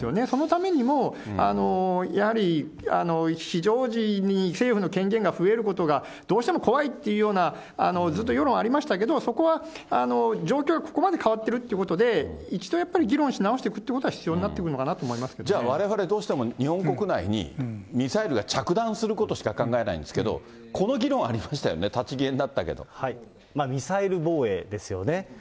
そのためにも、やはり非常時に政府の権限が増えることがどうしても怖いというような、ずっと世論ありましたけど、そこは状況がここまで変わってるってことで、一度やっぱり議論し直していくということは必要になってくるのかなって思いますけどじゃあわれわれ、どうしても日本国内にミサイルが着弾することしか考えないんですけど、この議論はありましたよね、ミサイル防衛ですよね。